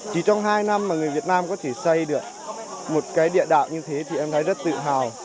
chỉ trong hai năm mà người việt nam có thể xây được một cái địa đạo như thế thì em thấy rất tự hào